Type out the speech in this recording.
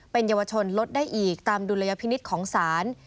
เป็นเยาวชนลดได้อีกตามดุลยพินิษฐ์ของศาล